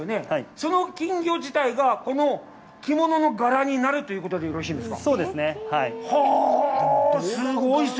その金魚自体がこの着物の柄になるということでよろしいんですか。